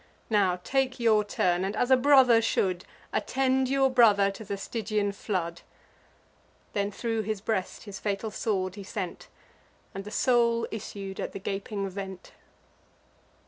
Now take your turn; and, as a brother should, Attend your brother to the Stygian flood." Then thro' his breast his fatal sword he sent, And the soul issued at the gaping vent.